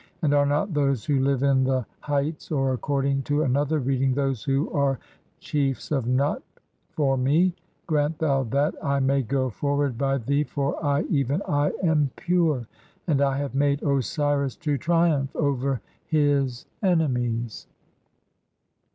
(8) And are not those who live in the "heights," or according to another reading, "those who are chiefs "of Nut, for me ? [Grant thou that] I may go forward by thee, "for I, even I, am pure, and [I have] made Osiris to triumph "over his enemies."